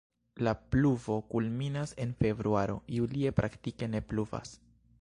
La pluvo kulminas en februaro, julie praktike ne pluvas.